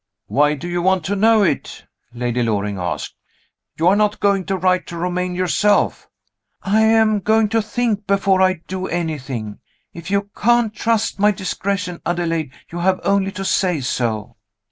"Why do you want to know it?" Lady Loring asked. "You are not going to write to Romayne yourself?" "I am going to think, before I do anything. If you can't trust my discretion, Adelaide, you have only to say so!"